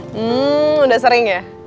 hmm udah sering ya